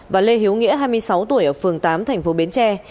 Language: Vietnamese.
và lê hiếu nghĩa hai mươi sáu tuổi ở phường tám thành phố bến tre